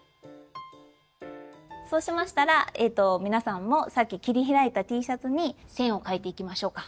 そうしましたらえと皆さんもさっき切り開いたＴシャツに線を書いていきましょうか。